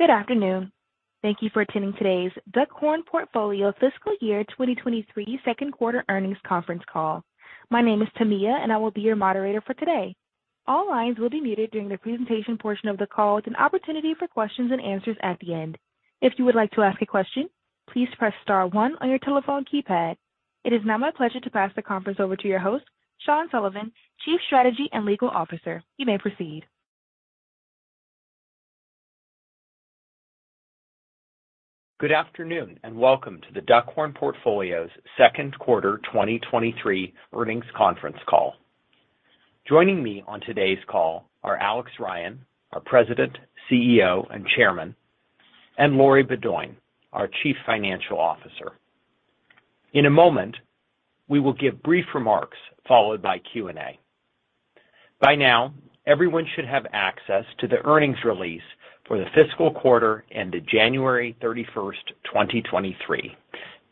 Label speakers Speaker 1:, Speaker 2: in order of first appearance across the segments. Speaker 1: Good afternoon. Thank you for attending today's Duckhorn Portfolio Fiscal Year 2023 Second Quarter Earnings Conference Call. My name is Tamia, and I will be your moderator for today. All lines will be muted during the presentation portion of the call with an opportunity for questions and answers at the end. If you would like to ask a question, please press star one on your telephone keypad. It is now my pleasure to pass the conference over to your host, Sean Sullivan, Chief Strategy and Legal Officer. You may proceed.
Speaker 2: Good afternoon, and welcome to The Duckhorn Portfolio's second quarter 2023 earnings conference call. Joining me on today's call are Alex Ryan, our President, CEO, and Chairman, and Lori Beaudoin, our Chief Financial Officer. In a moment, we will give brief remarks followed by Q&A. By now, everyone should have access to the earnings release for the fiscal quarter ended January 31, 2023,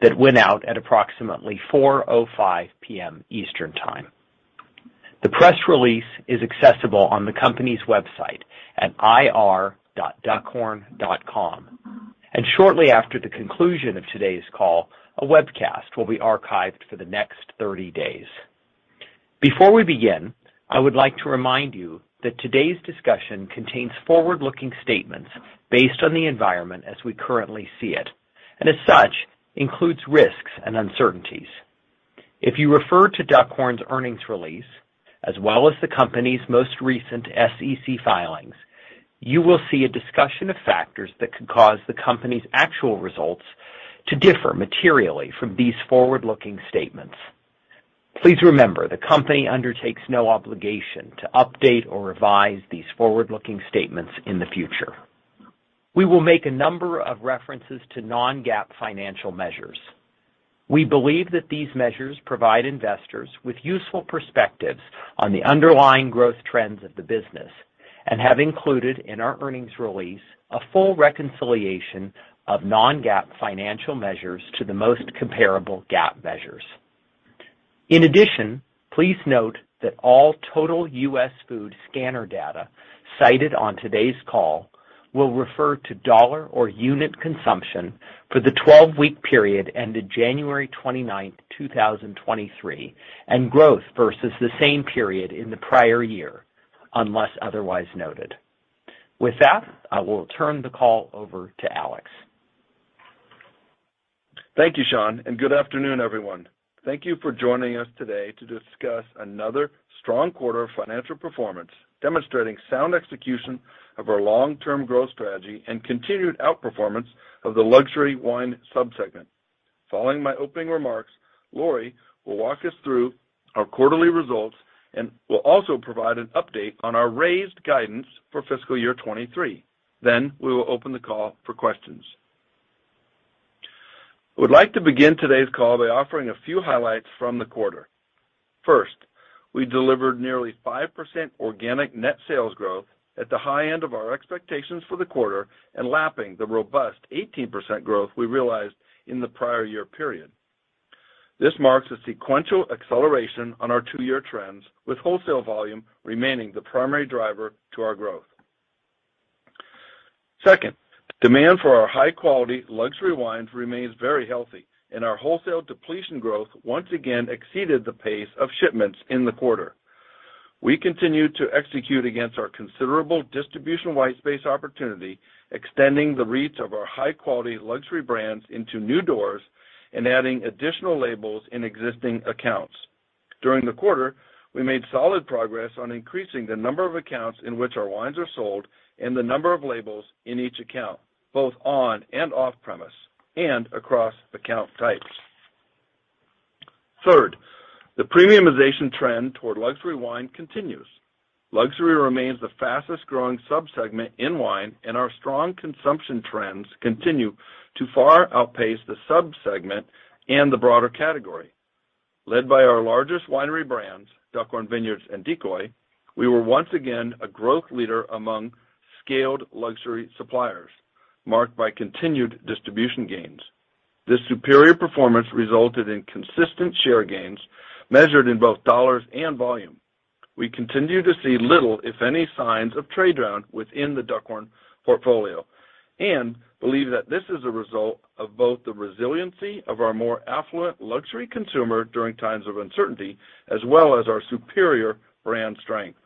Speaker 2: that went out at approximately 4:05 P.M. Eastern Time. The press release is accessible on the company's website at ir.duckhorn.com. Shortly after the conclusion of today's call, a webcast will be archived for the next 30 days. Before we begin, I would like to remind you that today's discussion contains forward-looking statements based on the environment as we currently see it, and as such, includes risks and uncertainties. If you refer to Duckhorn's earnings release, as well as the company's most recent SEC filings, you will see a discussion of factors that could cause the company's actual results to differ materially from these forward-looking statements. Please remember, the company undertakes no obligation to update or revise these forward-looking statements in the future. We will make a number of references to non-GAAP financial measures. We believe that these measures provide investors with useful perspectives on the underlying growth trends of the business and have included in our earnings release a full reconciliation of non-GAAP financial measures to the most comparable GAAP measures. In addition, please note that all total U.S. food scanner data cited on today's call will refer to dollar or unit consumption for the 12-week period ended January 29th, 2023, and growth versus the same period in the prior year, unless otherwise noted. With that, I will turn the call over to Alex.
Speaker 3: Thank you, Sean. Good afternoon, everyone. Thank you for joining us today to discuss another strong quarter of financial performance, demonstrating sound execution of our long-term growth strategy and continued outperformance of the luxury wine subsegment. Following my opening remarks, Lori will walk us through our quarterly results and will also provide an update on our raised guidance for fiscal year 2023. We will open the call for questions. I would like to begin today's call by offering a few highlights from the quarter. First, we delivered nearly 5% organic net sales growth at the high end of our expectations for the quarter and lapping the robust 18% growth we realized in the prior year period. This marks a sequential acceleration on our two-year trends, with wholesale volume remaining the primary driver to our growth. Second, demand for our high-quality luxury wines remains very healthy, and our wholesale depletion growth once again exceeded the pace of shipments in the quarter. We continue to execute against our considerable distribution-wide space opportunity, extending the reach of our high-quality luxury brands into new doors and adding additional labels in existing accounts. During the quarter, we made solid progress on increasing the number of accounts in which our wines are sold and the number of labels in each account, both on and off-premise and across account types. Third, the premiumization trend toward luxury wine continues. Luxury remains the fastest-growing subsegment in wine, and our strong consumption trends continue to far outpace the subsegment and the broader category. Led by our largest winery brands, Duckhorn Vineyards and Decoy, we were once again a growth leader among scaled luxury suppliers, marked by continued distribution gains. This superior performance resulted in consistent share gains measured in both dollars and volume. We continue to see little, if any, signs of trade-down within The Duckhorn Portfolio and believe that this is a result of both the resiliency of our more affluent luxury consumer during times of uncertainty as well as our superior brand strength.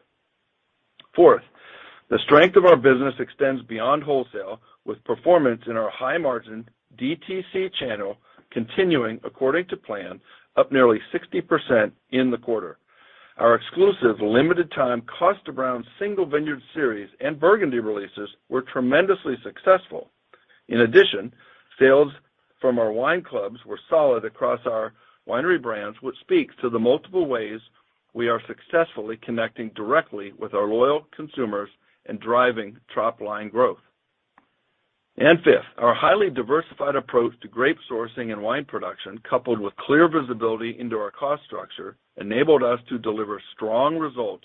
Speaker 3: Fourth, the strength of our business extends beyond wholesale, with performance in our high-margin DTC channel continuing according to plan, up nearly 60% in the quarter. Our exclusive limited-time Kosta Browne Single Vineyard Series and Burgundy releases were tremendously successful. In addition, sales from our wine clubs were solid across our winery brands, which speaks to the multiple ways we are successfully connecting directly with our loyal consumers and driving top-line growth. Fifth, our highly diversified approach to grape sourcing and wine production, coupled with clear visibility into our cost structure, enabled us to deliver strong results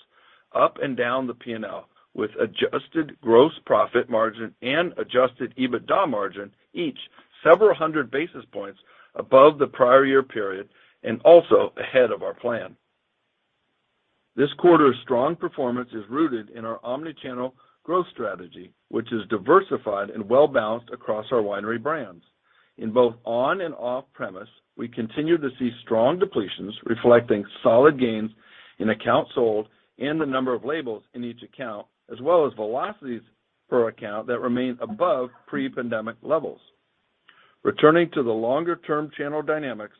Speaker 3: up and down the P&L, with adjusted gross profit margin and Adjusted EBITDA margin each several hundred basis points above the prior year period and also ahead of our plan. This quarter's strong performance is rooted in our omni-channel growth strategy, which is diversified and well-balanced across our winery brands. In both on and off-premise, we continue to see strong depletions reflecting solid gains in accounts sold and the number of labels in each account, as well as velocities per account that remain above pre-pandemic levels. Returning to the longer-term channel dynamics,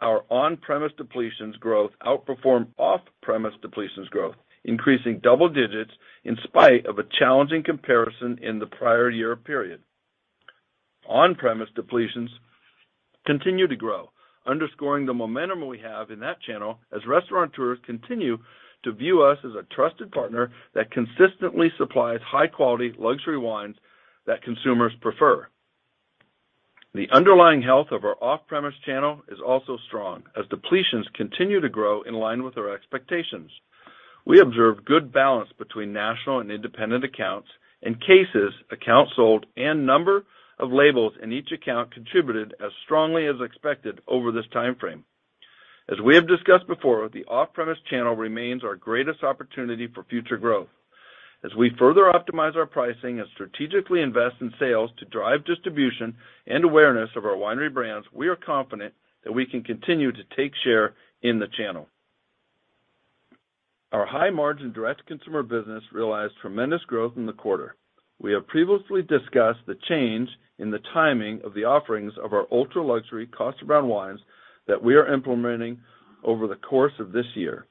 Speaker 3: our on-premise depletions growth outperformed off-premise depletions growth, increasing double digits in spite of a challenging comparison in the prior year period. On-premise depletions continue to grow, underscoring the momentum we have in that channel as restaurateurs continue to view us as a trusted partner that consistently supplies high-quality luxury wines that consumers prefer. The underlying health of our off-premise channel is also strong, as depletions continue to grow in line with our expectations. We observe good balance between national and independent accounts. In cases, accounts sold, and number of labels in each account contributed as strongly as expected over this timeframe. As we have discussed before, the off-premise channel remains our greatest opportunity for future growth. As we further optimize our pricing and strategically invest in sales to drive distribution and awareness of our winery brands, we are confident that we can continue to take share in the channel. Our high-margin direct-to-consumer business realized tremendous growth in the quarter. We have previously discussed the change in the timing of the offerings of our ultra-luxury Kosta Browne wines that we are implementing over the course of this year.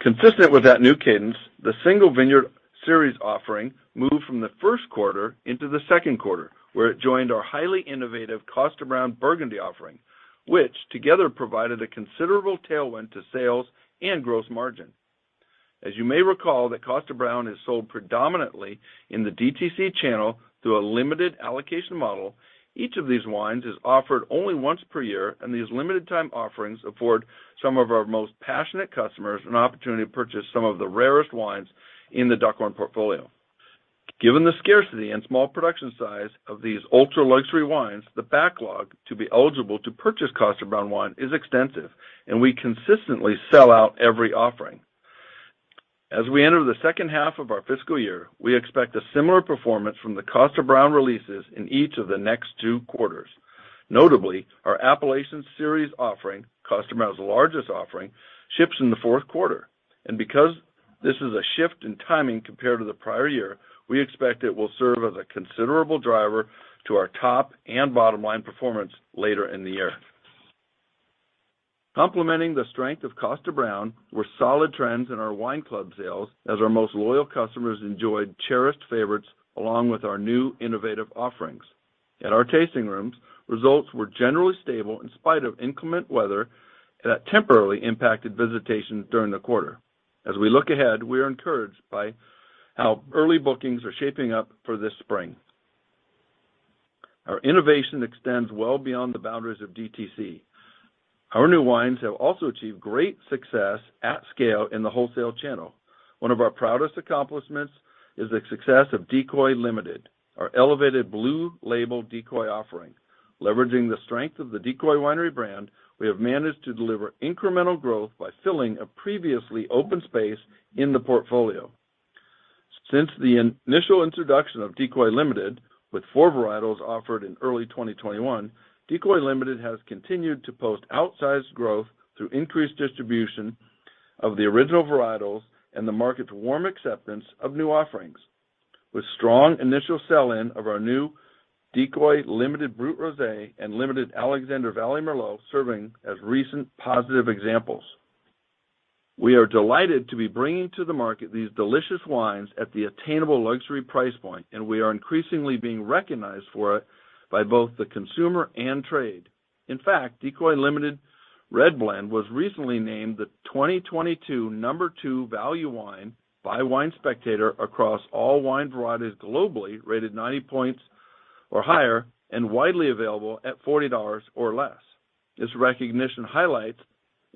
Speaker 3: Consistent with that new cadence, the Single Vineyard Series offering moved from the first quarter into the second quarter, where it joined our highly innovative Kosta Browne Burgundy offering, which together provided a considerable tailwind to sales and gross margin. As you may recall, that Kosta Browne is sold predominantly in the DTC channel through a limited allocation model. Each of these wines is offered only once per year. These limited time offerings afford some of our most passionate customers an opportunity to purchase some of the rarest wines in The Duckhorn Portfolio. Given the scarcity and small production size of these ultra-luxury wines, the backlog to be eligible to purchase Kosta Browne wine is extensive, and we consistently sell out every offering. As we enter the second half of our fiscal year, we expect a similar performance from the Kosta Browne releases in each of the next two quarters. Notably, our Appellation Series offering, Kosta Browne's largest offering, ships in the fourth quarter. Because this is a shift in timing compared to the prior year, we expect it will serve as a considerable driver to our top and bottom-line performance later in the year. Complementing the strength of Kosta Browne were solid trends in our wine club sales, as our most loyal customers enjoyed cherished favorites along with our new innovative offerings. At our tasting rooms, results were generally stable in spite of inclement weather that temporarily impacted visitation during the quarter. As we look ahead, we are encouraged by how early bookings are shaping up for this spring. Our innovation extends well beyond the boundaries of DTC. Our new wines have also achieved great success at scale in the wholesale channel. One of our proudest accomplishments is the success of Decoy Limited, our elevated blue label Decoy offering. Leveraging the strength of the Decoy winery brand, we have managed to deliver incremental growth by filling a previously open space in the portfolio. Since the initial introduction of Decoy Limited, with four varietals offered in early 2021, Decoy Limited has continued to post outsized growth through increased distribution of the original varietals and the market's warm acceptance of new offerings, with strong initial sell-in of our new Decoy Limited Brut Rosé and Limited Alexander Valley Merlot serving as recent positive examples. We are delighted to be bringing to the market these delicious wines at the attainable luxury price point, and we are increasingly being recognized for it by both the consumer and trade. In fact, Decoy Limited Red Blend was recently named the 2022 number two value wine by Wine Spectator across all wine varieties globally, rated 90 points or higher and widely available at $40 or less. This recognition highlights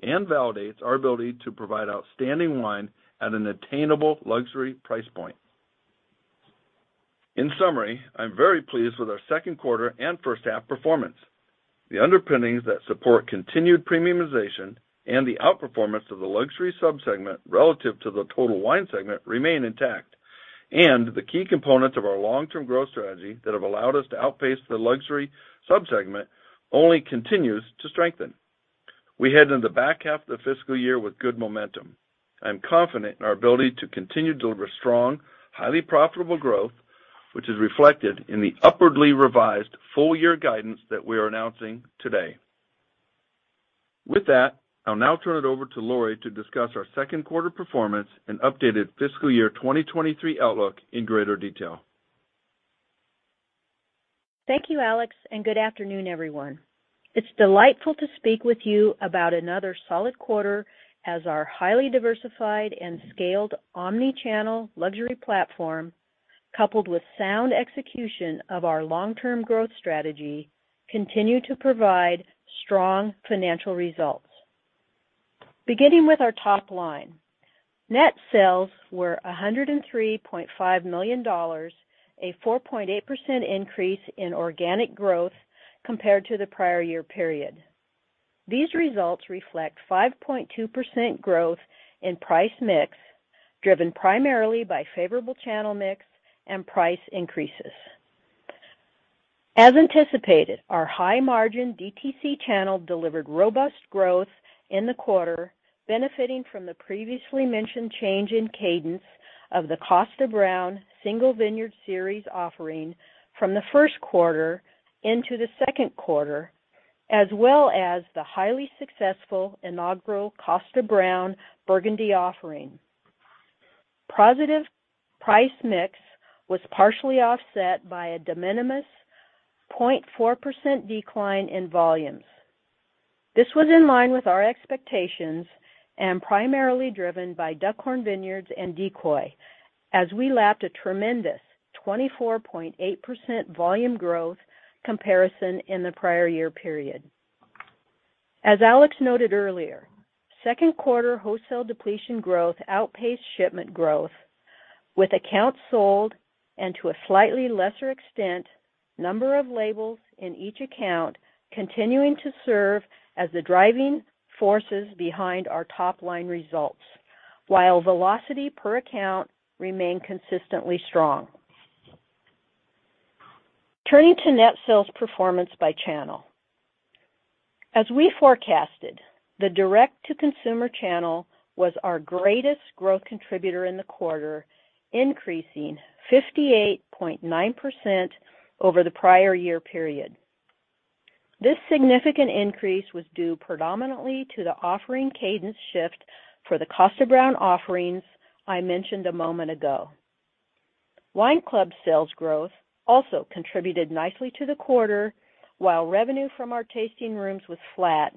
Speaker 3: and validates our ability to provide outstanding wine at an attainable luxury price point. In summary, I'm very pleased with our second quarter and first half performance. The underpinnings that support continued premiumization and the outperformance of the luxury subsegment relative to the total wine segment remain intact. The key components of our long-term growth strategy that have allowed us to outpace the luxury subsegment only continues to strengthen. We head into the back half of the fiscal year with good momentum. I'm confident in our ability to continue to deliver strong, highly profitable growth, which is reflected in the upwardly revised full-year guidance that we are announcing today. With that, I'll now turn it over to Lori to discuss our second quarter performance and updated fiscal year 2023 outlook in greater detail.
Speaker 4: Thank you, Alex. Good afternoon, everyone. It's delightful to speak with you about another solid quarter as our highly diversified and scaled omni-channel luxury platform, coupled with sound execution of our long-term growth strategy, continue to provide strong financial results. Beginning with our top line. Net sales were $103.5 million, a 4.8% increase in organic growth compared to the prior year period. These results reflect 5.2% growth in price mix, driven primarily by favorable channel mix and price increases. As anticipated, our high-margin DTC channel delivered robust growth in the quarter, benefiting from the previously mentioned change in cadence of the Kosta Browne Single Vineyard Series offering from the first quarter into the second quarter, as well as the highly successful inaugural Kosta Browne Burgundy offering. Positive price mix was partially offset by a de minimis 0.4% decline in volumes. This was in line with our expectations and primarily driven by Duckhorn Vineyards and Decoy as we lapped a tremendous 24.8% volume growth comparison in the prior year period. As Alex noted earlier, second quarter wholesale depletion growth outpaced shipment growth, with accounts sold and, to a slightly lesser extent, number of labels in each account continuing to serve as the driving forces behind our top-line results, while velocity per account remained consistently strong. Turning to net sales performance by channel. As we forecasted, the direct-to-consumer channel was our greatest growth contributor in the quarter, increasing 58.9% over the prior year period. This significant increase was due predominantly to the offering cadence shift for the Kosta Browne offerings I mentioned a moment ago. Wine Club sales growth also contributed nicely to the quarter, while revenue from our tasting rooms was flat,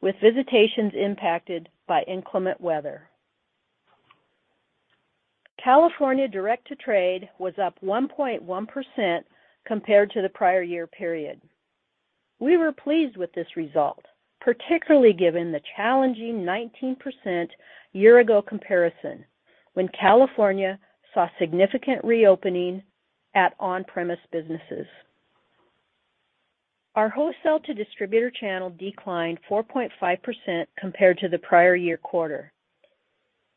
Speaker 4: with visitations impacted by inclement weather. California direct to trade was up 1.1% compared to the prior year period. We were pleased with this result, particularly given the challenging 19% year-ago comparison when California saw significant reopening at on-premise businesses. Our wholesale to distributor channel declined 4.5% compared to the prior year quarter.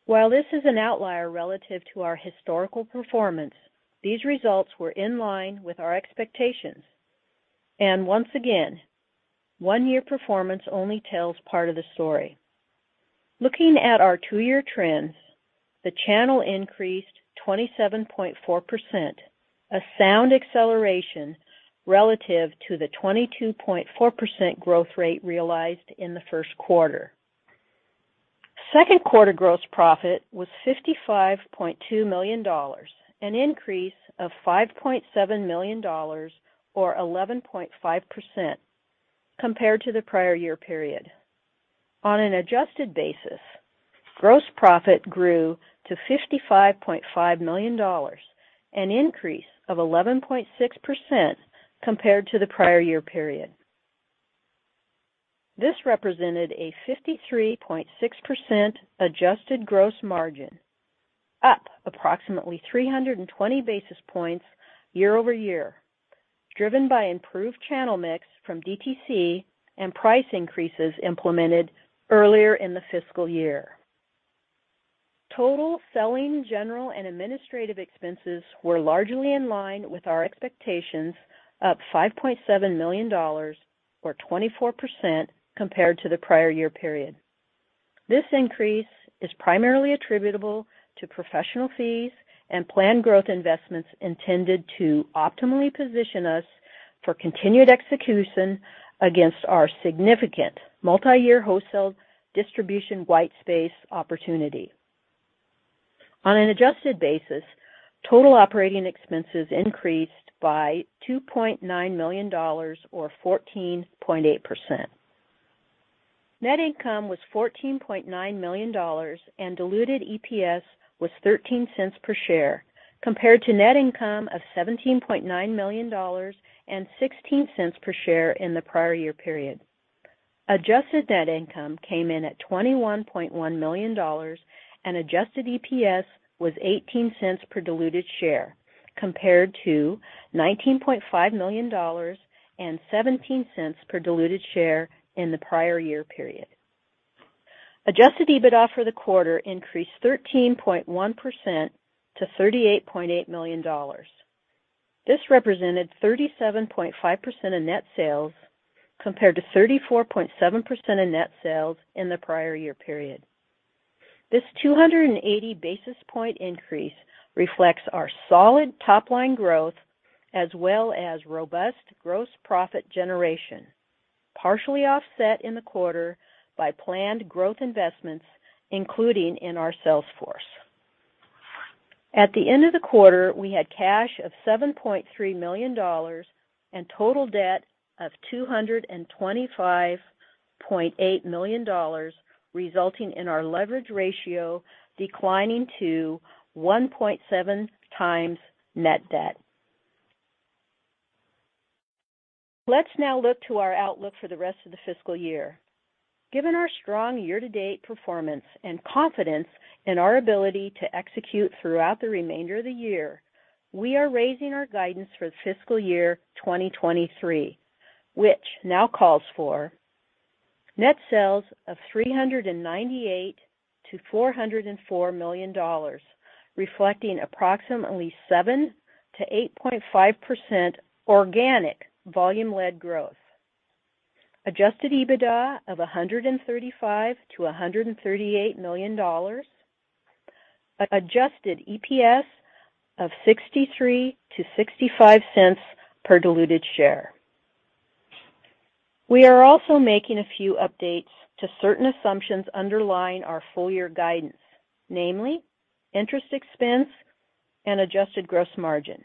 Speaker 4: While this is an outlier relative to our historical performance, these results were in line with our expectations. Once again, one year performance only tells part of the story. Looking at our two-year trends, the channel increased 27.4%, a sound acceleration relative to the 22.4% growth rate realized in the first quarter. Second quarter gross profit was $55.2 million, an increase of $5.7 million, or 11.5%, compared to the prior year period. On an adjusted basis, gross profit grew to $55.5 million, an increase of 11.6% compared to the prior year period. This represented a 53.6% adjusted gross margin, up approximately 320 basis points year-over-year, driven by improved channel mix from DTC and price increases implemented earlier in the fiscal year. Total selling, general, and administrative expenses were largely in line with our expectations, up $5.7 million or 24% compared to the prior year period. This increase is primarily attributable to professional fees and planned growth investments intended to optimally position us for continued execution against our significant multiyear wholesale distribution white space opportunity. On an adjusted basis, total operating expenses increased by $2.9 million or 14.8%. Net income was $14.9 million and diluted EPS was $0.13 per share, compared to net income of $17.9 million and $0.16 per share in the prior year period. Adjusted net income came in at $21.1 million. Adjusted EPS was $0.18 per diluted share, compared to $19.5 million and $0.17 per diluted share in the prior year period. Adjusted EBITDA for the quarter increased 13.1% to $38.8 million. This represented 37.5% of net sales, compared to 34.7% of net sales in the prior year period. This 280 basis point increase reflects our solid top-line growth as well as robust gross profit generation, partially offset in the quarter by planned growth investments, including in our sales force. At the end of the quarter, we had cash of $7.3 million and total debt of $225.8 million, resulting in our leverage ratio declining to 1.7x net debt. Let's now look to our outlook for the rest of the fiscal year. Given our strong year-to-date performance and confidence in our ability to execute throughout the remainder of the year, we are raising our guidance for fiscal year 2023, which now calls for net sales of $398 million-$404 million, reflecting approximately 7%-8.5% organic volume-led growth. Adjusted EBITDA of $135 million-$138 million. Adjusted EPS of $0.63-$0.65 per diluted share. We are also making a few updates to certain assumptions underlying our full year guidance, namely interest expense and adjusted gross margin.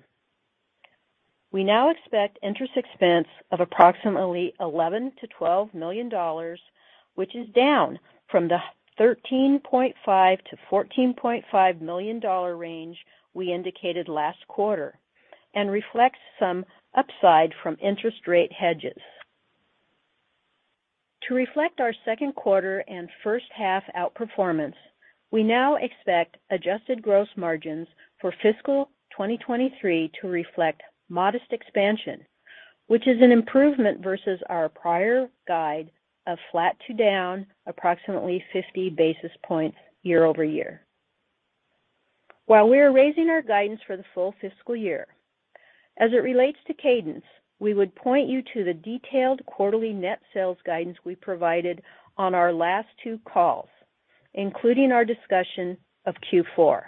Speaker 4: We now expect interest expense of approximately $11 million-$12 million, which is down from the $13.5 million-$14.5 million range we indicated last quarter and reflects some upside from interest rate hedges. To reflect our second quarter and first half outperformance, we now expect adjusted gross margins for fiscal 2023 to reflect modest expansion, which is an improvement versus our prior guide of flat to down approximately 50 basis points year-over-year. While we are raising our guidance for the full fiscal year, as it relates to cadence, we would point you to the detailed quarterly net sales guidance we provided on our last two calls, including our discussion of Q4.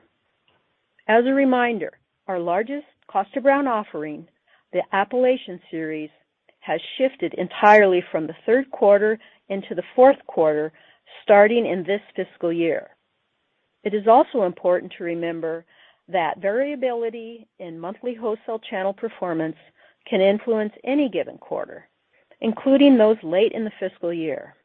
Speaker 4: As a reminder, our largest Kosta Browne offering, the Appellation Series, has shifted entirely from the third quarter into the fourth quarter starting in this fiscal year. It is also important to remember that variability in monthly wholesale channel performance can influence any given quarter, including those late in the fiscal year.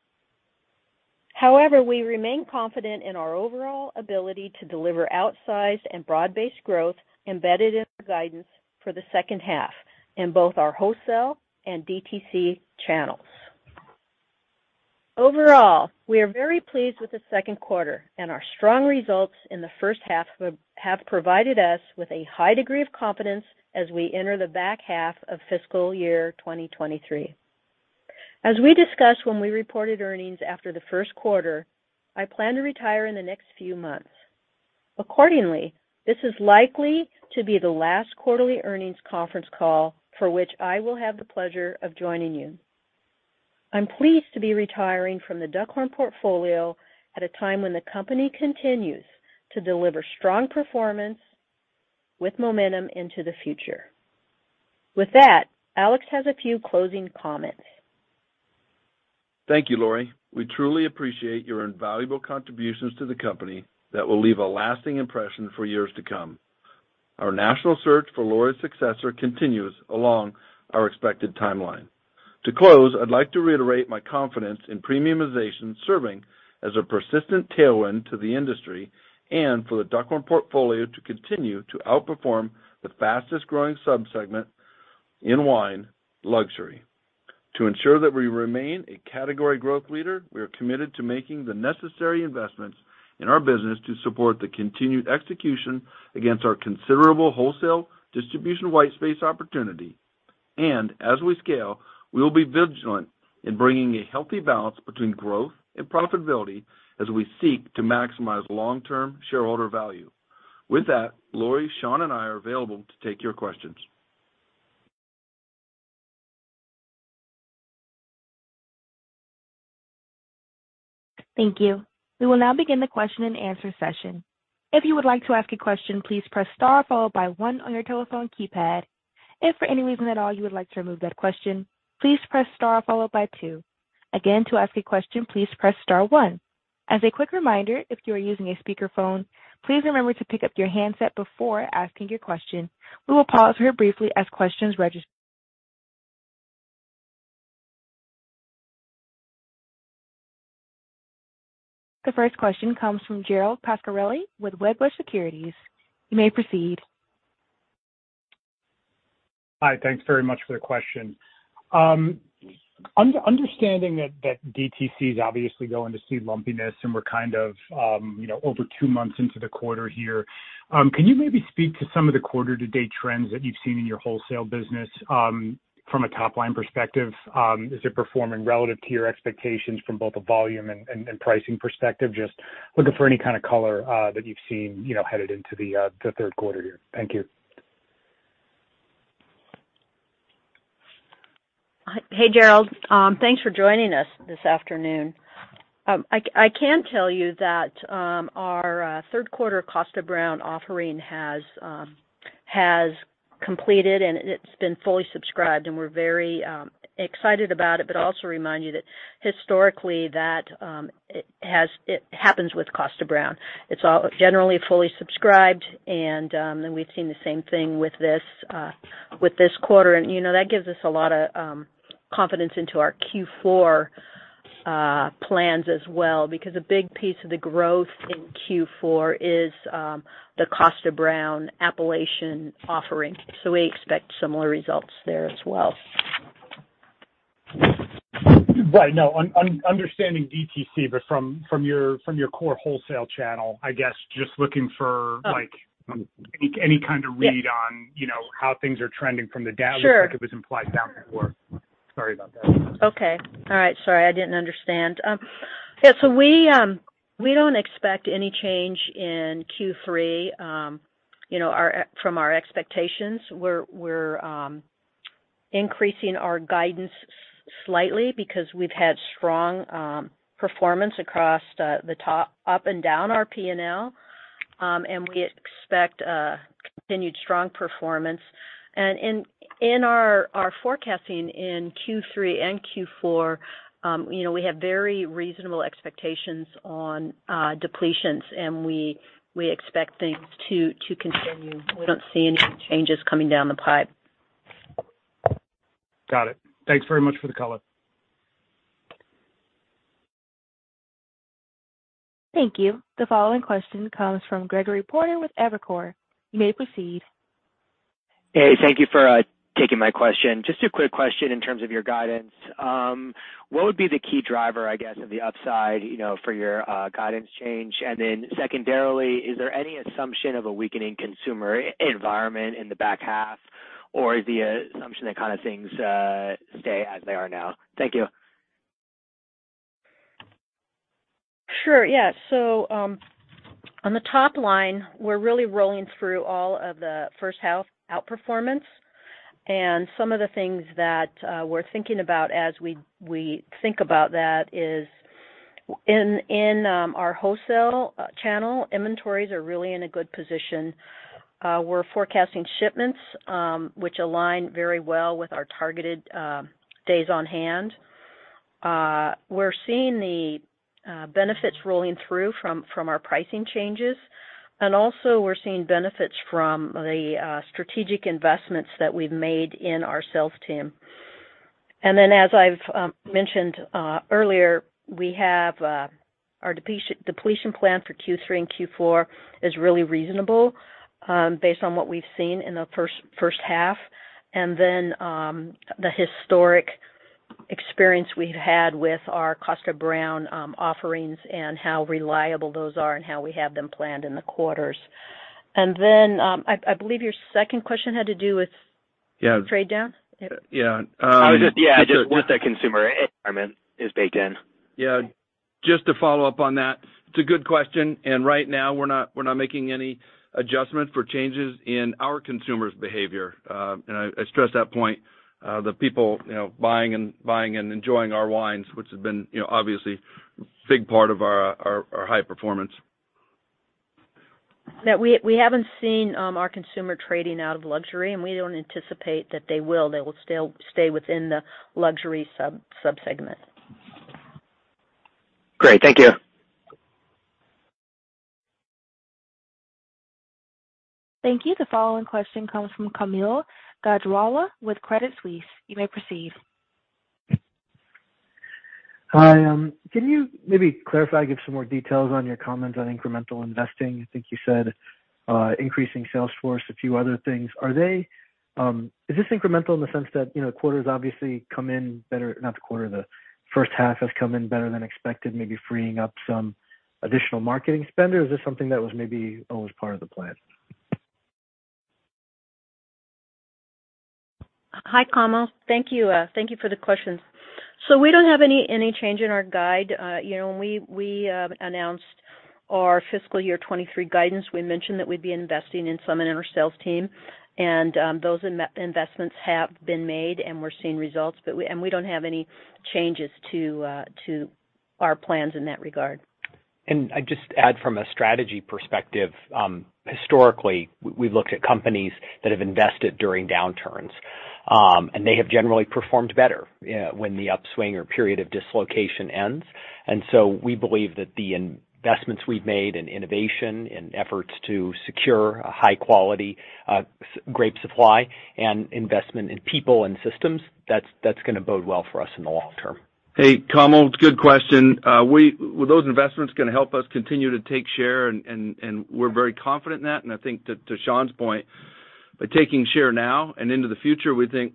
Speaker 4: We remain confident in our overall ability to deliver outsized and broad-based growth embedded in our guidance for the second half in both our wholesale and DTC channels. Overall, we are very pleased with the second quarter and our strong results in the first half have provided us with a high degree of confidence as we enter the back half of fiscal year 2023. As we discussed when we reported earnings after the first quarter, I plan to retire in the next few months. Accordingly, this is likely to be the last quarterly earnings conference call for which I will have the pleasure of joining you. I'm pleased to be retiring from The Duckhorn Portfolio at a time when the company continues to deliver strong performance with momentum into the future. With that, Alex has a few closing comments.
Speaker 3: Thank you, Lori. We truly appreciate your invaluable contributions to the company that will leave a lasting impression for years to come. Our national search for Lori's successor continues along our expected timeline. To close, I'd like to reiterate my confidence in premiumization serving as a persistent tailwind to the industry and for the Duckhorn portfolio to continue to outperform the fastest-growing subsegment in wine, luxury. To ensure that we remain a category growth leader, we are committed to making the necessary investments in our business to support the continued execution against our considerable wholesale distribution white space opportunity. As we scale, we will be vigilant in bringing a healthy balance between growth and profitability as we seek to maximize long-term shareholder value. With that, Lori, Sean and I are available to take your questions.
Speaker 1: Thank you. We will now begin the question-and-answer session. If you would like to ask a question, please press star followed by one on your telephone keypad. If for any reason at all you would like to remove that question, please press star followed by two. Again, to ask a question, please press star one. As a quick reminder, if you are using a speakerphone, please remember to pick up your handset before asking your question. We will pause here briefly as questions register. The first question comes from Gerald Pascarelli with Wedbush Securities. You may proceed.
Speaker 5: Hi. Thanks very much for the question. Understanding that DTC is obviously going to see lumpiness, and we're kind of, you know, over two months into the quarter here, can you maybe speak to some of the quarter-to-date trends that you've seen in your wholesale business from a top-line perspective? Is it performing relative to your expectations from both a volume and pricing perspective? Just looking for any kind of color that you've seen, you know, headed into the third quarter here. Thank you.
Speaker 4: Hey, Gerald. Thanks for joining us this afternoon. I can tell you that our third quarter Kosta Browne offering has completed, and it's been fully subscribed, and we're very excited about it, but also remind you that historically that it happens with Kosta Browne. It's all generally fully subscribed, and we've seen the same thing with this quarter. You know, that gives us a lot of confidence into our Q4 plans as well, because a big piece of the growth in Q4 is the Kosta Browne Appellation offering. We expect similar results there as well.
Speaker 5: Right. No, understanding DTC, but from your core wholesale channel, I guess just looking for-
Speaker 4: Oh.
Speaker 5: like, any kind of read on, you know, how things are trending?
Speaker 4: Sure.
Speaker 5: It looks like it was implied down at work. Sorry about that.
Speaker 4: Okay. All right. Sorry, I didn't understand. We, we don't expect any change in Q3. You know, from our expectations. We're increasing our guidance slightly because we've had strong performance across the top-- up and down our P&L. We expect a continued strong performance. In our forecasting in Q3 and Q4, you know, we have very reasonable expectations on depletions, and we expect things to continue. We don't see any changes coming down the pipe.
Speaker 5: Got it. Thanks very much for the color.
Speaker 1: Thank you. The following question comes from Gregory Porter with Evercore. You may proceed.
Speaker 6: Hey, thank you for taking my question. Just a quick question in terms of your guidance. What would be the key driver, I guess, of the upside, you know, for your guidance change? Secondarily, is there any assumption of a weakening consumer environment in the back half? Is the assumption that kind of things stay as they are now? Thank you.
Speaker 4: Sure, yeah. On the top line, we're really rolling through all of the first half outperformance. Some of the things that we're thinking about as we think about that is in our wholesale channel, inventories are really in a good position. We're forecasting shipments, which align very well with our targeted, days on hand. We're seeing the benefits rolling through from our pricing changes. Also we're seeing benefits from the strategic investments that we've made in our sales team. As I've mentioned earlier, we have our depletion plan for Q3 and Q4 is really reasonable, based on what we've seen in the first half, and then, the historic experience we've had with our Kosta Browne offerings and how reliable those are and how we have them planned in the quarters. I believe your second question had to do with...
Speaker 3: Yeah.
Speaker 4: trade down?
Speaker 3: Yeah.
Speaker 6: Yeah, just with the consumer environment is baked in.
Speaker 3: Yeah. Just to follow up on that. It's a good question, and right now, we're not making any adjustment for changes in our consumer's behavior. I stress that point, the people, you know, buying and enjoying our wines, which has been, you know, obviously big part of our high performance.
Speaker 4: We haven't seen our consumer trading out of luxury, and we don't anticipate that they will. They will still stay within the luxury sub-segment.
Speaker 6: Great. Thank you.
Speaker 1: Thank you. The following question comes from Kaumil Gajrawala with Credit Suisse. You may proceed.
Speaker 7: Hi. Can you maybe clarify, give some more details on your comments on incremental investing? I think you said, increasing sales force, a few other things. Are they, Is this incremental in the sense that, you know, quarters obviously come in better... Not the quarter, the first half has come in better than expected, maybe freeing up some additional marketing spend? Is this something that was maybe always part of the plan?
Speaker 4: Hi, Kaumil. Thank you. Thank you for the questions. We don't have any change in our guide. You know, when we announced our Fiscal Year 2023 guidance, we mentioned that we'd be investing in some in our sales team. Those investments have been made, and we're seeing results, but we don't have any changes to our plans in that regard.
Speaker 2: I'd just add from a strategy perspective, historically, we've looked at companies that have invested during downturns, and they have generally performed better when the upswing or period of dislocation ends. We believe that the investments we've made in innovation, in efforts to secure a high quality grape supply and investment in people and systems, that's gonna bode well for us in the long term.
Speaker 3: Hey, Kaumil, it's a good question. Those investments gonna help us continue to take share and we're very confident in that. I think to Sean's point, by taking share now and into the future, we think,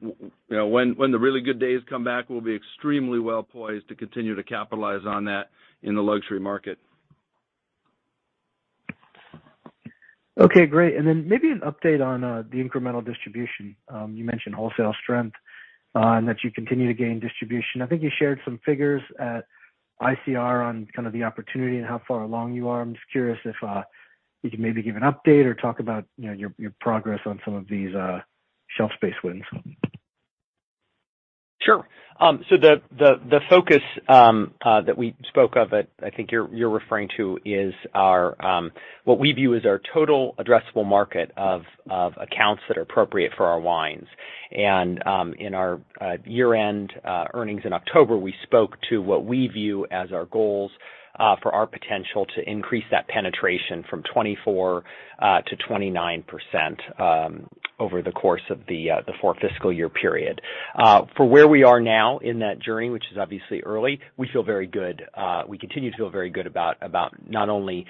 Speaker 3: when the really good days come back, we'll be extremely well-poised to continue to capitalize on that in the luxury market.
Speaker 7: Okay, great. Maybe an update on the incremental distribution. You mentioned wholesale strength, and that you continue to gain distribution. I think you shared some figures at ICR on kind of the opportunity and how far along you are. I'm just curious if you could maybe give an update or talk about, you know, your progress on some of these shelf space wins.
Speaker 2: Sure. The focus that we spoke of that I think you're referring to is our what we view as our total addressable market of accounts that are appropriate for our wines. In our year-end earnings in October, we spoke to what we view as our goals for our potential to increase that penetration from 24% to 29% over the course of the four fiscal year period. For where we are now in that journey, which is obviously early, we feel very good. We continue to feel very good about not only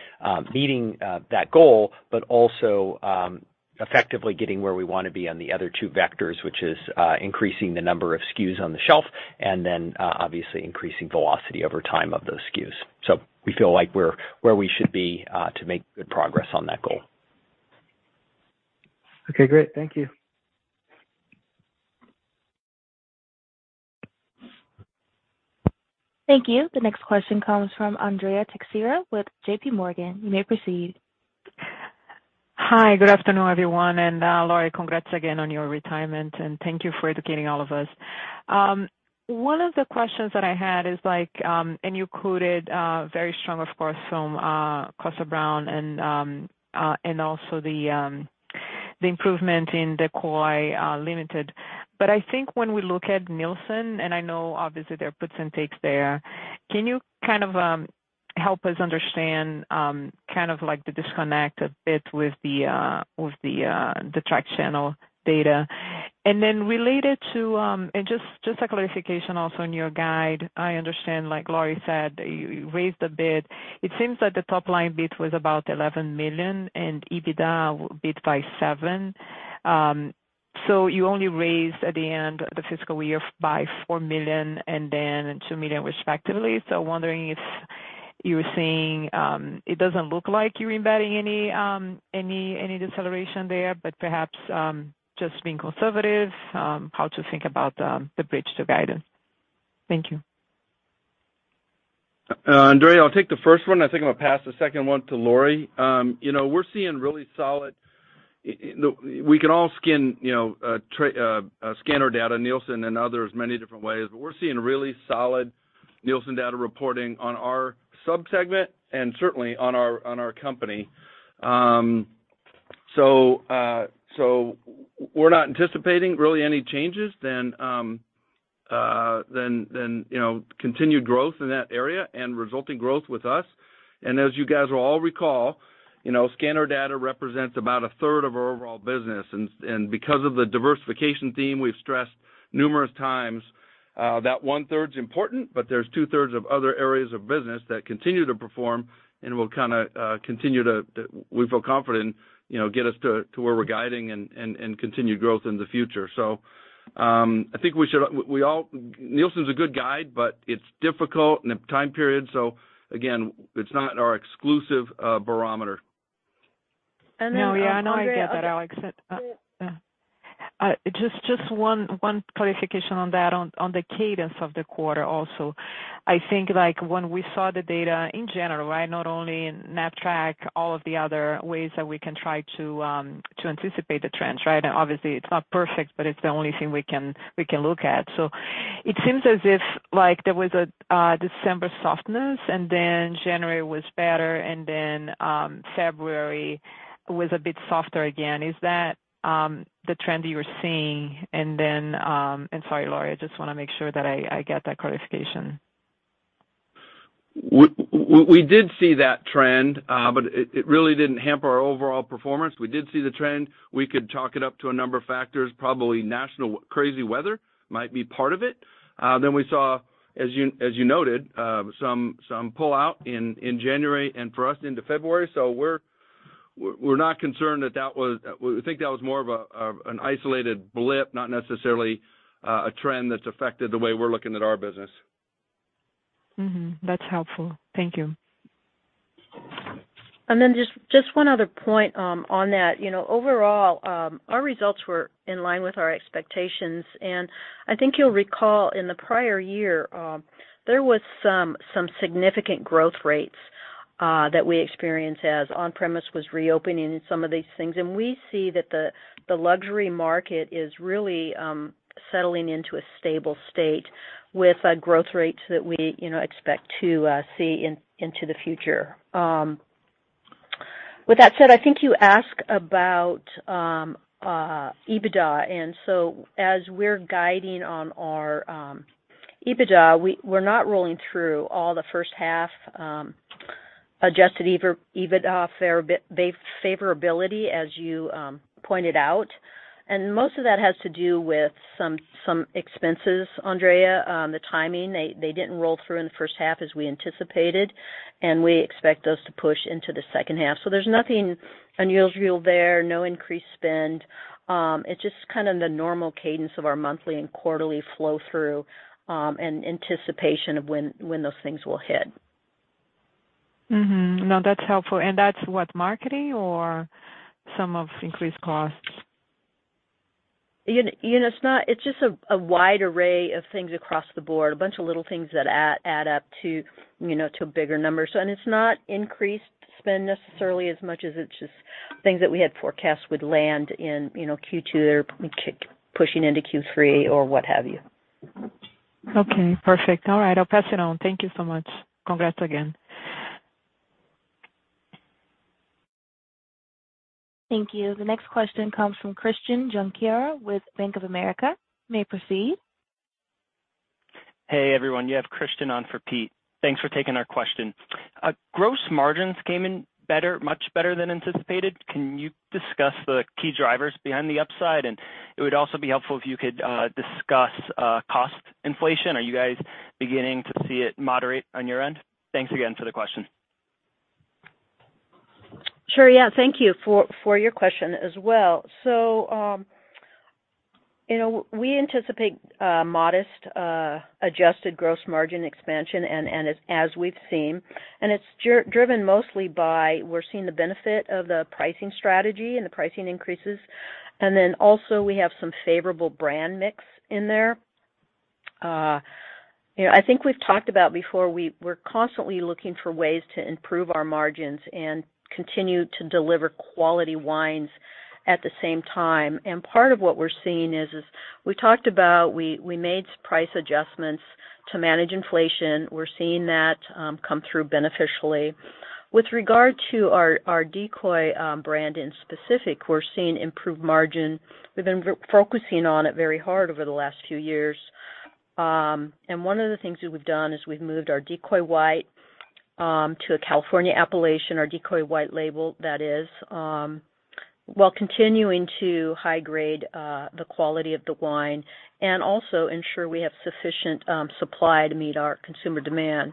Speaker 2: meeting that goal, but also effectively getting where we want to be on the other two vectors, which is increasing the number of SKUs on the shelf, and then obviously increasing velocity over time of those SKUs. We feel like we're where we should be to make good progress on that goal.
Speaker 7: Okay, great. Thank you.
Speaker 1: Thank you. The next question comes from Andrea Teixeira with JP Morgan. You may proceed.
Speaker 8: Hi, good afternoon, everyone. Lori, congrats again on your retirement, and thank you for educating all of us. One of the questions that I had is like, and you quoted very strong, of course, from Kosta Browne and also the improvement in the Decoy Limited. I think when we look at Nielsen, and I know obviously there are puts and takes there, can you kind of help us understand kind of like the disconnect a bit with the track channel data? Related to, and just a clarification also on your guide, I understand, like Lori said, you raised the bid. It seems that the top line bid was about $11 million and EBITDA bid by $7 million. You only raised at the end of the fiscal year by $4 million and then $2 million respectively. Wondering if you were saying, it doesn't look like you're embedding any deceleration there, but perhaps, just being conservative, how to think about, the bridge to guidance. Thank you.
Speaker 3: Andrea, I'll take the first one. I think I'm gonna pass the second one to Lori. You know, we're seeing really solid We can all skin, you know, scan our data, Nielsen and others, many different ways, but we're seeing really solid Nielsen data reporting on our sub-segment and certainly on our company. we're not anticipating really any changes than, you know, continued growth in that area and resulting growth with us. As you guys will all recall, you know, scanner data represents about a third of our overall business. Because of the diversification theme we've stressed numerous times, that one-third's important, but there's two-thirds of other areas of business that continue to perform and will kinda, continue to, we feel confident, you know, get us to where we're guiding and continue growth in the future. Nielsen's a good guide, but it's difficult in the time period. Again, it's not our exclusive barometer.
Speaker 4: Andrea.
Speaker 8: No, yeah, I know I get that, Alex. Just one clarification on that, on the cadence of the quarter also. I think, like, when we saw the data in general, right? Not only in Nasdaq, all of the other ways that we can try to anticipate the trends, right? Obviously, it's not perfect, but it's the only thing we can look at. It seems as if, like, there was a December softness, and then January was better, and then February was a bit softer again. Is that the trend you're seeing? Sorry, Lori, I just wanna make sure that I get that clarification.
Speaker 3: We did see that trend, but it really didn't hamper our overall performance. We did see the trend. We could chalk it up to a number of factors, probably national crazy weather might be part of it. We saw, as you, as you noted, some pull-out in January and for us into February. We're not concerned that that was... We think that was more of an isolated blip, not necessarily a trend that's affected the way we're looking at our business.
Speaker 8: That's helpful. Thank you.
Speaker 4: Just one other point on that. You know, overall, our results were in line with our expectations. I think you'll recall in the prior year, there was some significant growth rates that we experienced as on-premise was reopening and some of these things. We see that the luxury market is really settling into a stable state with growth rates that we, you know, expect to see into the future. With that said, I think you ask about EBITDA. As we're guiding on our EBITDA, we're not rolling through all the first half Adjusted EBITDA favorability, as you pointed out. Most of that has to do with some expenses, Andrea. The timing, they didn't roll through in the first half as we anticipated, and we expect those to push into the second half. There's nothing unusual there, no increased spend. It's just kind of the normal cadence of our monthly and quarterly flow through, and anticipation of when those things will hit.
Speaker 8: Mm-hmm. No, that's helpful. That's what? Marketing or some of increased costs?
Speaker 4: You know, it's not, it's just a wide array of things across the board, a bunch of little things that add up to, you know, to a bigger number. It's not increased spend necessarily as much as it's just things that we had forecast would land in, you know, Q2, they're pushing into Q3 or what have you.
Speaker 8: Okay, perfect. All right, I'll pass it on. Thank you so much. Congrats again.
Speaker 1: Thank you. The next question comes from Christian Junquera with Bank of America. You may proceed.
Speaker 9: Hey, everyone. You have Christian on for Pete. Thanks for taking our question. Gross margins came in better, much better than anticipated. Can you discuss the key drivers behind the upside? It would also be helpful if you could discuss cost inflation. Are you guys beginning to see it moderate on your end? Thanks again for the question.
Speaker 4: Sure. Yeah, thank you for your question as well. You know, we anticipate modest adjusted gross margin expansion, and as we've seen, it's driven mostly by we're seeing the benefit of the pricing strategy and the pricing increases. Then also we have some favorable brand mix in there. You know, I think we've talked about before, we're constantly looking for ways to improve our margins and continue to deliver quality wines at the same time. Part of what we're seeing is we talked about, we made price adjustments to manage inflation. We're seeing that come through beneficially. With regard to our Decoy brand in specific, we're seeing improved margin. We've been focusing on it very hard over the last few years. One of the things that we've done is we've moved our Decoy White to a California Appellation, our Decoy White label that is, while continuing to high grade the quality of the wine and also ensure we have sufficient supply to meet our consumer demand.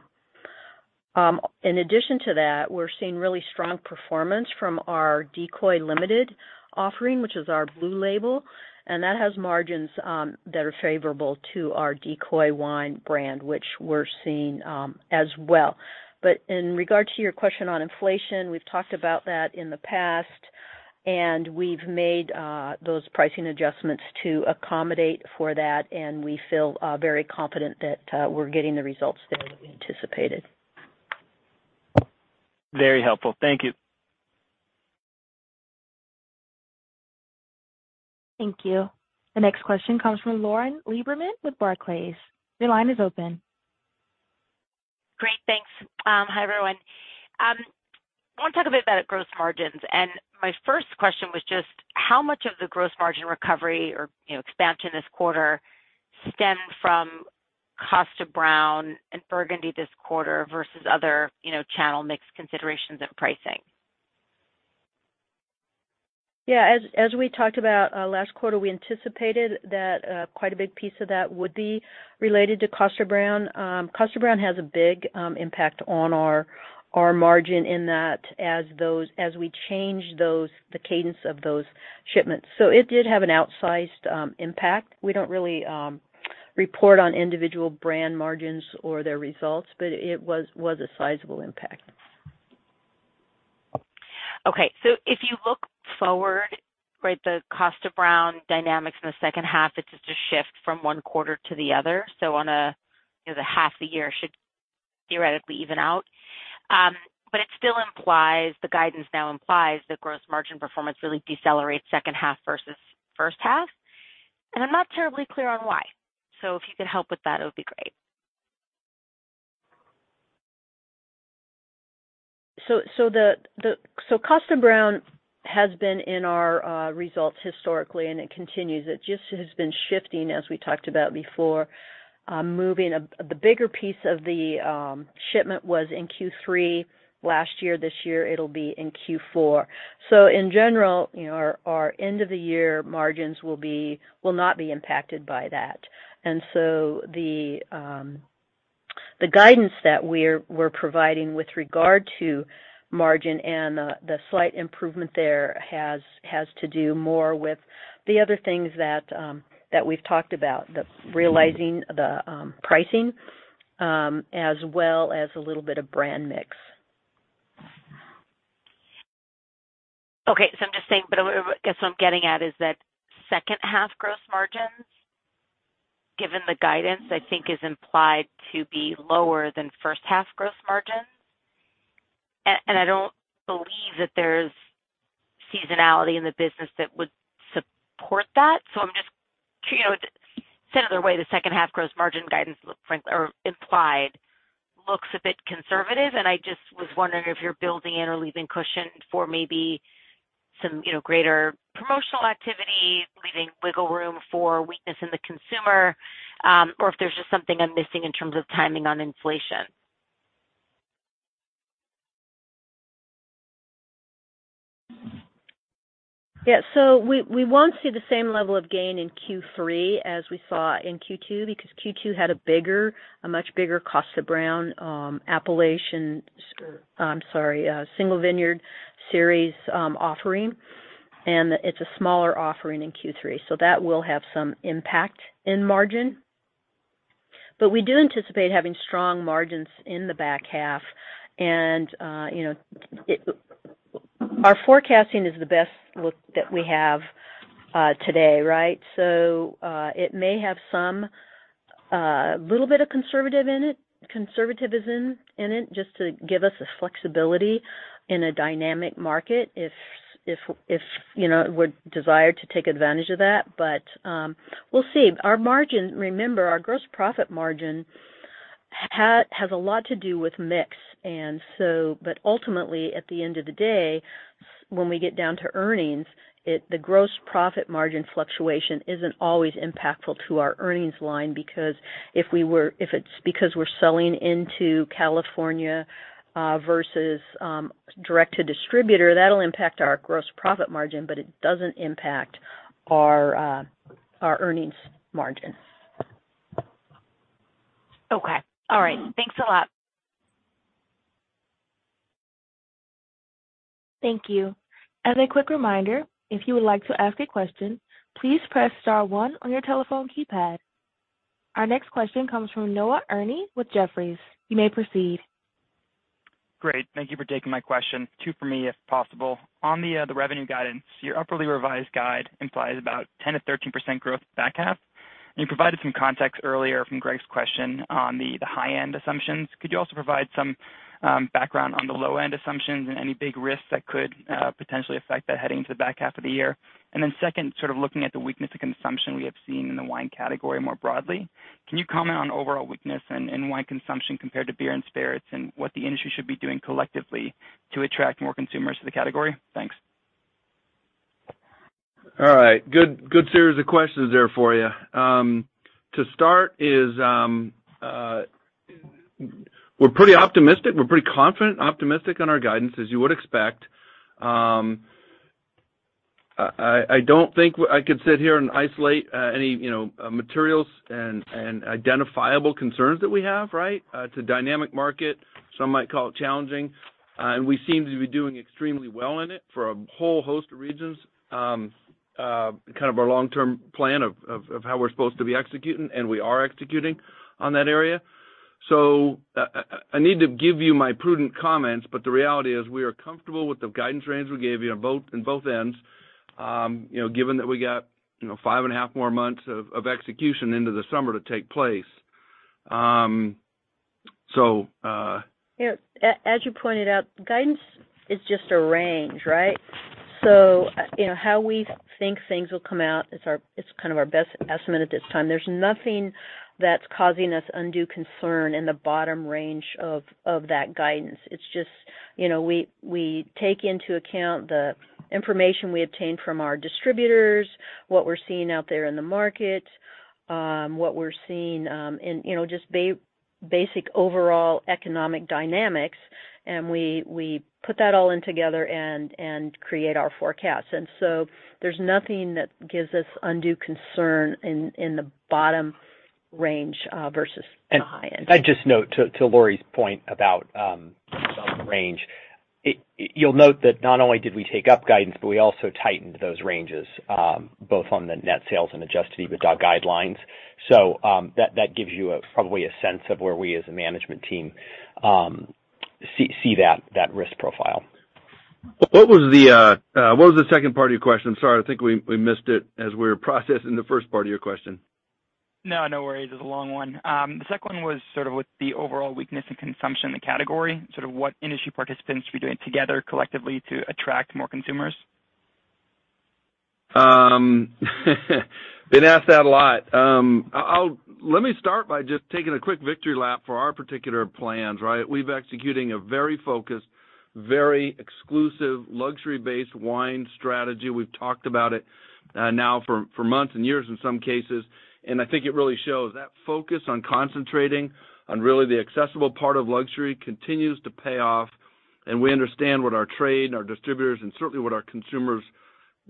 Speaker 4: In addition to that, we're seeing really strong performance from our Decoy Limited offering, which is our blue label, and that has margins that are favorable to our Decoy wine brand, which we're seeing as well. In regard to your question on inflation, we've talked about that in the past, and we've made those pricing adjustments to accommodate for that, and we feel very confident that we're getting the results there that we anticipated.
Speaker 9: Very helpful. Thank you.
Speaker 1: Thank you. The next question comes from Lauren Lieberman with Barclays. Your line is open.
Speaker 10: Great. Thanks. Hi, everyone. I want to talk a bit about gross margins. My first question was just how much of the gross margin recovery or, you know, expansion this quarter stemmed from Kosta Browne and Burgundy this quarter versus other, you know, channel mix considerations and pricing?
Speaker 4: As we talked about last quarter, we anticipated that quite a big piece of that would be related to Kosta Browne. Kosta Browne has a big impact on our margin in that as we change those, the cadence of those shipments. It did have an outsized impact. We don't really report on individual brand margins or their results, but it was a sizable impact.
Speaker 10: Okay. If you look forward, right, the Kosta Browne dynamics in the second half, it's just a shift from one quarter to the other. On a, you know, the half a year should theoretically even out. It still implies, the guidance now implies the gross margin performance really decelerates second half versus first half. I'm not terribly clear on why. If you could help with that, it would be great.
Speaker 4: Kosta Browne has been in our results historically, and it continues. It just has been shifting, as we talked about before, moving. The bigger piece of the shipment was in Q3 last year. This year, it'll be in Q4. In general, you know, our end of the year margins will not be impacted by that. The guidance that we're providing with regard to margin and the slight improvement there has to do more with the other things that we've talked about, the realizing the pricing, as well as a little bit of brand mix.
Speaker 10: I'm just saying, but I guess what I'm getting at is that second half gross margins, given the guidance, I think is implied to be lower than first half gross margins. I don't believe that there's seasonality in the business that would support that. I'm just curious, you know, to say another way, the second half gross margin guidance look frankly or implied, looks a bit conservative, and I just was wondering if you're building in or leaving cushion for maybe some, you know, greater promotional activity, leaving wiggle room for weakness in the consumer, or if there's just something I'm missing in terms of timing on inflation.
Speaker 4: Yeah. We won't see the same level of gain in Q3 as we saw in Q2, because Q2 had a bigger, a much bigger Kosta Browne Single Vineyard Series offering, and it's a smaller offering in Q3. That will have some impact in margin. We do anticipate having strong margins in the back half. You know, our forecasting is the best look that we have today, right? It may have some a little bit of conservative in it. Conservative is in it just to give us the flexibility in a dynamic market if, you know, would desire to take advantage of that. We'll see. Remember our gross profit margin has a lot to do with mix. Ultimately at the end of the day, when we get down to earnings, the gross profit margin fluctuation isn't always impactful to our earnings line. If it's because we're selling into California, versus direct to distributor, that'll impact our gross profit margin, but it doesn't impact our earnings margin.
Speaker 10: Okay. All right. Thanks a lot.
Speaker 1: Thank you. As a quick reminder, if you would like to ask a question, please press star one on your telephone keypad. Our next question comes from Noah Erni with Jefferies. You may proceed.
Speaker 11: Great. Thank you for taking my question. Two for me, if possible. On the revenue guidance, your upwardly revised guide implies about 10%-13% growth back half. You provided some context earlier from Gregory's question on the high-end assumptions. Could you also provide some background on the low-end assumptions and any big risks that could potentially affect that heading to the back half of the year? Second, sort of looking at the weakness of consumption we have seen in the wine category more broadly, can you comment on overall weakness in wine consumption compared to beer and spirits and what the industry should be doing collectively to attract more consumers to the category? Thanks.
Speaker 3: All right. Good series of questions there for you. To start is, we're pretty optimistic. We're pretty confident, optimistic on our guidance, as you would expect. I don't think I could sit here and isolate any, you know, materials and identifiable concerns that we have, right? It's a dynamic market. Some might call it challenging. We seem to be doing extremely well in it for a whole host of reasons, kind of our long-term plan of how we're supposed to be executing, and we are executing on that area. I need to give you my prudent comments, but the reality is we are comfortable with the guidance range we gave you on both ends, you know, given that we got, you know, five and a half more months of execution into the summer to take place.
Speaker 4: As you pointed out, guidance is just a range, right? You know how we think things will come out, it's kind of our best estimate at this time. There's nothing that's causing us undue concern in the bottom range of that guidance. It's just, you know, we take into account the information we obtain from our distributors, what we're seeing out there in the market, what we're seeing, in, you know, just basic overall economic dynamics. We put that all in together and create our forecasts. There's nothing that gives us undue concern in the bottom range versus the high end.
Speaker 2: I'd just note to Lori's point about range. You'll note that not only did we take up guidance, but we also tightened those ranges, both on the net sales and Adjusted EBITDA guidelines. That gives you a, probably a sense of where we as a management team, see that risk profile.
Speaker 3: What was the second part of your question? Sorry, I think we missed it as we were processing the first part of your question.
Speaker 11: No, no worries. It's a long one. The second one was sort of with the overall weakness in consumption in the category, sort of what industry participants should be doing together collectively to attract more consumers.
Speaker 3: Been asked that a lot. Let me start by just taking a quick victory lap for our particular plans, right. We've executing a very focused, very exclusive luxury-based wine strategy. We've talked about it now for months and years in some cases, and I think it really shows. That focus on concentrating on really the accessible part of luxury continues to pay off, and we understand what our trade and our distributors and certainly what our consumers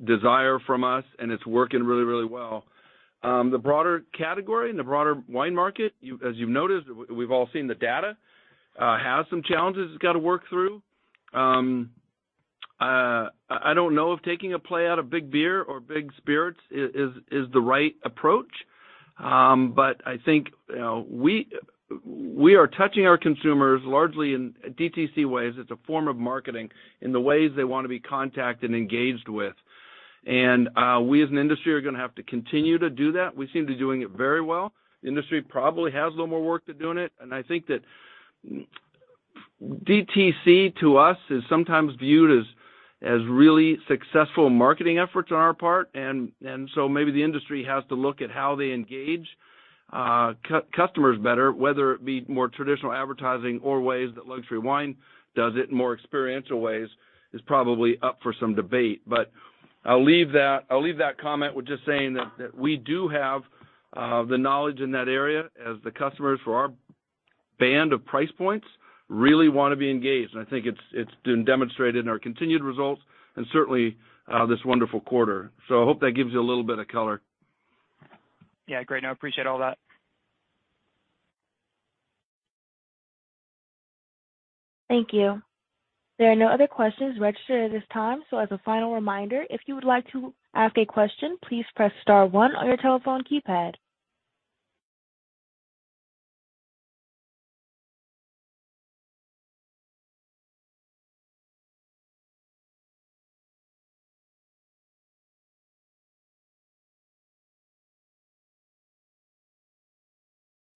Speaker 3: desire from us, and it's working really, really well. The broader category and the broader wine market, as you've noticed, we've all seen the data, has some challenges it's got to work through. I don't know if taking a play out of big beer or big spirits is the right approach. I think, you know, we are touching our consumers largely in DTC ways. It's a form of marketing in the ways they want to be contacted and engaged with. We as an industry are going to have to continue to do that. We seem to be doing it very well. The industry probably has a little more work to do in it, and I think that DTC to us is sometimes viewed as really successful marketing efforts on our part. Maybe the industry has to look at how they engage customers better, whether it be more traditional advertising or ways that luxury wine does it in more experiential ways is probably up for some debate. I'll leave that comment with just saying that we do have the knowledge in that area as the customers for our band of price points really want to be engaged. I think it's been demonstrated in our continued results and certainly this wonderful quarter. I hope that gives you a little bit of color.
Speaker 11: Yeah, great. No, I appreciate all that.
Speaker 1: Thank you. There are no other questions registered at this time. As a final reminder, if you would like to ask a question, please press star one on your telephone keypad.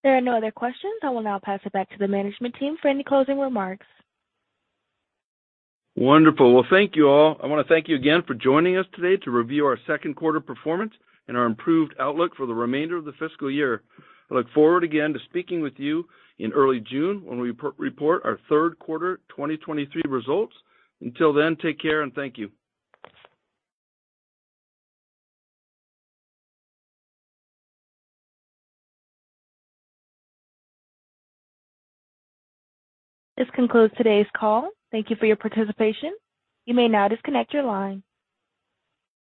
Speaker 1: There are no other questions. I will now pass it back to the management team for any closing remarks.
Speaker 3: Wonderful. Well, thank you all. I want to thank you again for joining us today to review our second quarter performance and our improved outlook for the remainder of the fiscal year. I look forward again to speaking with you in early June when we report our third quarter 2023 results. Until then, take care and thank you.
Speaker 1: This concludes today's call. Thank you for your participation. You may now disconnect your line.